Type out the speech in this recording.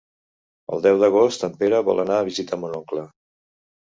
El deu d'agost en Pere vol anar a visitar mon oncle.